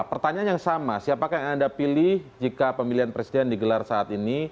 pertanyaan yang sama siapakah yang anda pilih jika pemilihan presiden digelar saat ini